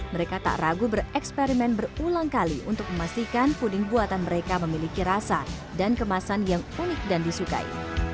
mereka tak ragu bereksperimen berulang kali untuk memastikan puding buatan mereka memiliki rasa dan kemasan yang unik dan disukai